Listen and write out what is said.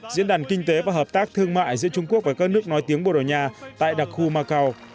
diễn đàn kinh tế và hợp tác thương mại giữa trung quốc và các nước nói tiếng bồ đào nha tại đặc khu macau